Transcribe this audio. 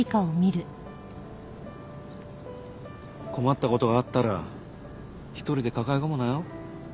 困った事があったら一人で抱え込むなよ。